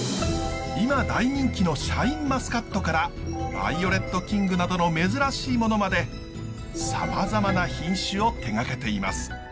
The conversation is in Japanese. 今大人気のシャインマスカットからバイオレットキングなどの珍しいものまでさまざまな品種を手がけています。